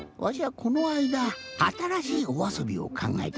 このあいだあたらしいおあそびをかんがえたんじゃ。